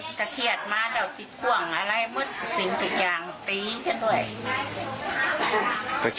ถ้าเครียดมาเธอขิดกว่างอะไรหมึดสิ่งทุกอย่างตีกันด้วย